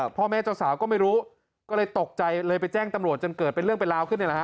พ่อแม่เจ้าสาวก็ไม่รู้ก็เลยตกใจเลยไปแจ้งตำรวจจนเกิดเป็นเรื่องเป็นราวขึ้นนี่แหละฮ